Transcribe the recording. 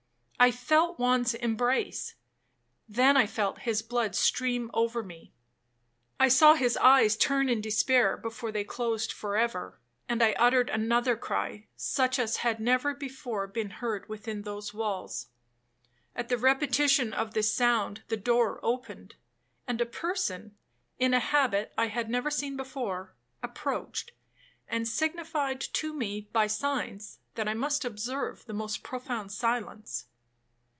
I felt Juan's embrace,—then I felt his blood stream over me. I saw his eyes turn in despair, before they closed for ever, and I uttered another cry, such as had never before been heard within those walls. At the repetition of this sound the door opened, and a person, in a habit I had never seen before, approached, and signified to me by signs, that I must observe the most profound silence.